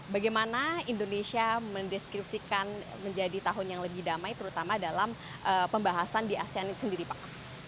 bagaimana indonesia mendeskripsikan menjadi tahun yang lebih damai terutama dalam pembahasan di asean itu sendiri pak